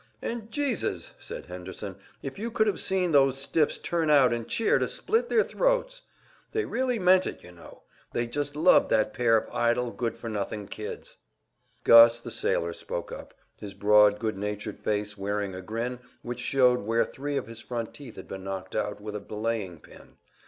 "And Jesus," said Henderson, "if you could have seen those stiffs turn out and cheer to split their throats! They really meant it, you know; they just loved that pair of idle, good for nothing kids!" Gus, the sailor, spoke up, his broad, good natured face wearing a grin which showed where three of his front teeth had been knocked out with a belaying pin.